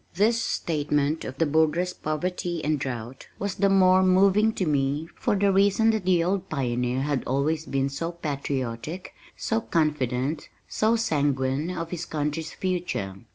This statement of the Border's poverty and drought was the more moving to me for the reason that the old pioneer had always been so patriotic, so confident, so sanguine of his country's future.